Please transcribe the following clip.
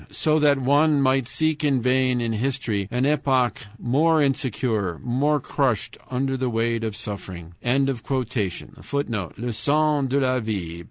So that one might seek in vain in history an epoch more insecure, more crushed under the weight of suffering" [footnote: "Le Sens de la Vie," pp.